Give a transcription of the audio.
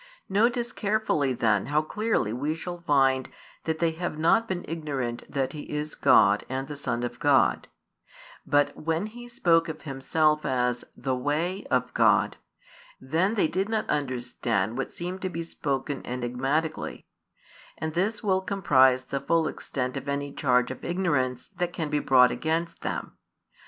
Notice carefully then how clearly we shall find that they have not been ignorant that He is God and the Son of God; but when He spoke of Himself as "the Way" of God, then they did not understand what seemed to be spoken enigmatically: and this will comprise the full extent of any charge of ignorance that can be brought against them.